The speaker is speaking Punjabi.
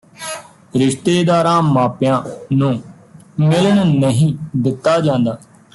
ਰਿਸ਼ਤੇਦਾਰਾਂ ਮਾਂਪਿਆਂ ਨੂੰ ਮਿਲਣ ਨਹੀਂ ਦਿੱਤਾ ਜਾਂਦਾ